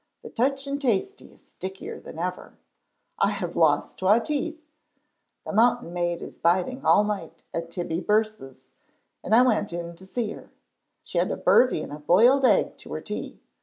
The Teuch and Tasty is stickier than ever. I have lost twa teeth. The Mountain Maid is biding all night at Tibbie Birse's, and I went in to see her. She had a bervie and a boiled egg to her tea.